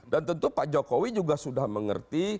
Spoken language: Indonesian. dan tentu pak jokowi juga sudah mengerti